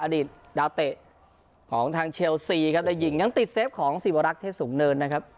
อดีตดาวเตะของทางเชลซีครับได้ยิงยังติดเซฟของสิวรักษ์เทศสูงเนินนะครับ